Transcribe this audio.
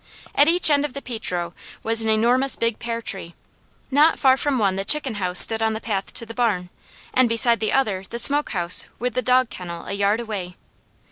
At each end of the peach row was an enormous big pear tree; not far from one the chicken house stood on the path to the barn, and beside the other the smoke house with the dog kennel a yard away.